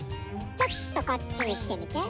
ちょっとこっちへきてみて。